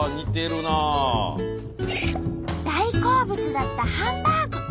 大好物だったハンバーグ。